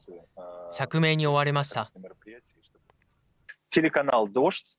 釈明に追われました。